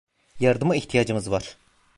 Yardıma ihtiyacımız var.